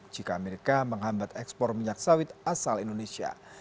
jika amerika menghambat ekspor minyak sawit asal indonesia